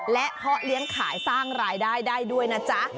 และเพาะเลี้ยงขายสร้างรายได้ได้ด้วยนะจ๊ะ